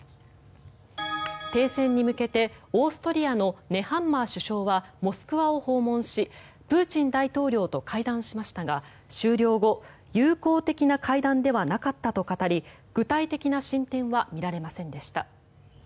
停戦に向けてオーストリアのネハンマー首相はモスクワを訪問しプーチン大統領と会談しましたが終了後友好的な会談ではなかったと語り具体的な進展は見られませんでした。